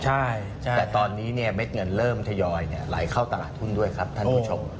ใช่แต่ตอนนี้เนี่ยเม็ดเงินเริ่มทยอยไหลเข้าตลาดหุ้นด้วยครับท่านผู้ชม